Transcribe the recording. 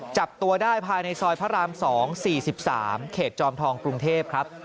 จับตัวได้ภายในซอยพระราม๒๔๓เขตจอมทองกรุงเทพครับ